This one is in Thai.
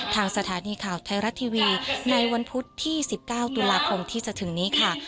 ทางสถานีข่าวไทยรัฐทีวีในวันพุธที่๑๙ตุลาคมที่จะถึงนี้ค่ะ